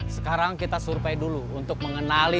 sekarang kita survei dulu untuk mengenali